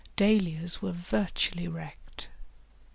Dahlias were virtually wrecked.